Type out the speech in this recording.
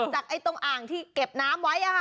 ตรงอ่างที่เก็บน้ำไว้